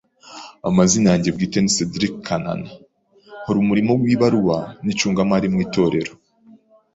Amazina yanjye bwite ni Cedric KANANA ,nkora umurim o w’ibarura n’icungamari mu itorero